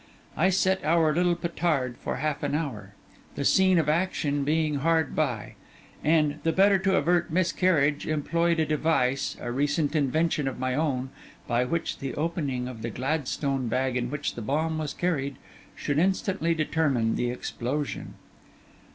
I set our little petard for half an hour, the scene of action being hard by; and the better to avert miscarriage, employed a device, a recent invention of my own, by which the opening of the Gladstone bag in which the bomb was carried, should instantly determine the explosion.